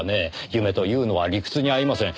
夢というのは理屈に合いません。